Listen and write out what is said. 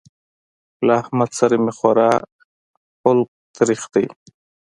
له احمد سره مې خورا حلق تريخ دی.